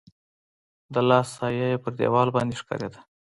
د لاس سایه يې پر دیوال باندي ښکارېده.